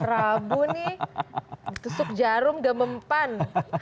prabu nih ditusuk jarum gak mempan